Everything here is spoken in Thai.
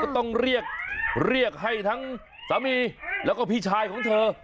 ต้องเรียกเรียกให้ทั้งสามีแล้วก็พี่ชายของเธอ